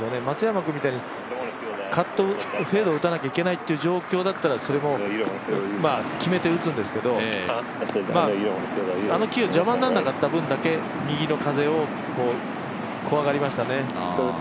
松山君みたいに、カット、フェードを打たなければいけないっていう状況だったらそれも決めて打つんですけどあの木が邪魔にならなかった分だけ右の風を怖がりましたね。